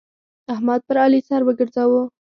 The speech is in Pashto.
احمد پر علي سر وګرځاوو.